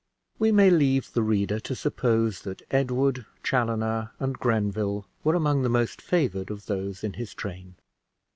We may leave the reader to suppose that Edward, Chaloner, and Grenville were among the most favored of those in his train.